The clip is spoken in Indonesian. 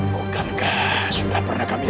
bukankah sudah pernah kami